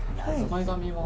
前髪は。